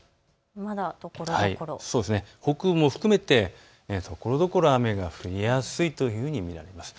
まだ北部も含めてところどころ雨が降りやすいというふうに見られます。